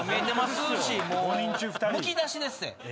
むき出しでっせ。